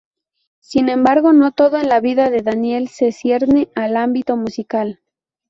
Sin embargo, no todo en la vida de Daniel se cierne al ámbito musical.